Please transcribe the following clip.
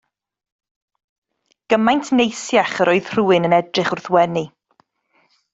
Gymaint neisach yr oedd rhywun yn edrych wrth wenu.